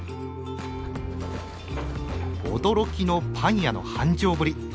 驚きのパン屋の繁盛ぶり。